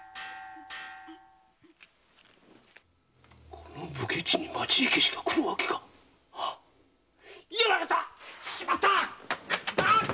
この武家地に町火消が来るわけが！やられたっ‼しまった！